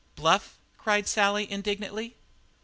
"Bluff?" cried Sally indignantly.